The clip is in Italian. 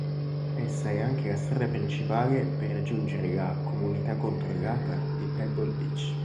Essa è anche la strada principale per raggiungere la "comunità controllata" di Pebble Beach.